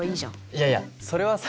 いやいやそれはさ